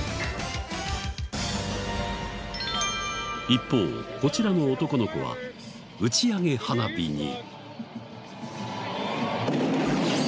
一方こちらの男の子は打ち上げ花火に。